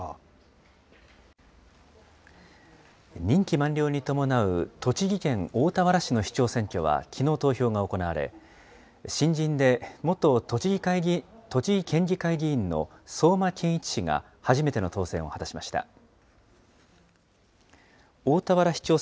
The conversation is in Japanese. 任期満了に伴う栃木県大田原市の市長選挙はきのう投票が行われ、新人で元栃木県議会議員の相馬憲一氏が初めての当選を果たしました。